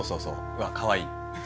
うわかわいい。